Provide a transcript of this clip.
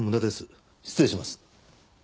失礼します。